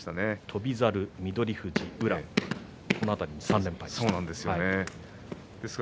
翔猿、翠富士、宇良、この辺りに３連敗しました。